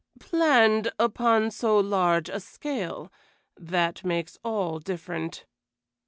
planned upon so large a scale. That makes all different."